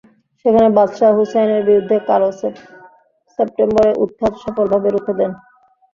সেখানে বাদশাহ হুসাইনের বিরুদ্ধে কালো সেপ্টেম্বরে উৎখাত সফলভাবে রুখে দেন।